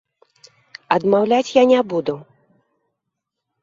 Адмаўляць я не буду.